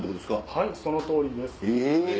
はいその通りです。